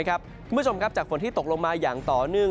คุณผู้ชมครับจากฝนที่ตกลงมาอย่างต่อเนื่อง